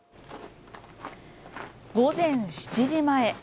午前７時前。